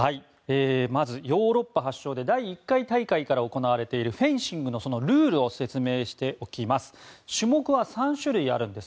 まずヨーロッパ発祥で第１回大会から行われているフェンシングのルールを説明しておきます。